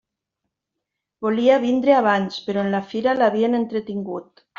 Volia vindre abans però en la fira l'havien entretingut.